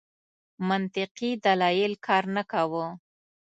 منطقي دلایل کار نه کاوه.